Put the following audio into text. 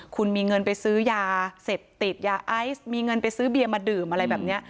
คุณมีเงินไปซื้อยาเสพติดยาไอซ์มีเงินไปซื้อเบียร์มาดื่มอะไรแบบนี้